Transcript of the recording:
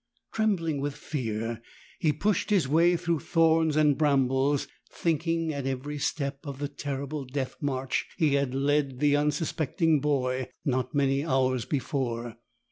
Trembling with fear, he pushed his way through thorns and brambles, thinking at every step of the terrible death march he had let the unsuspecting boy not many hours before.